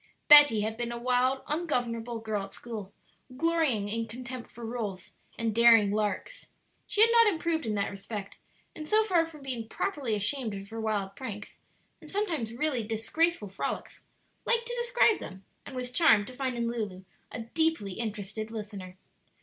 Betty had been a wild, ungovernable girl at school, glorying in contempt for rules and daring "larks." She had not improved in that respect, and so far from being properly ashamed of her wild pranks and sometimes really disgraceful frolics, liked to describe them, and was charmed to find in Lulu a deeply interested listener.